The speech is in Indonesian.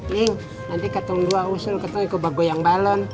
ling nanti ketemu gua usul ketemu ikut bergoyang balon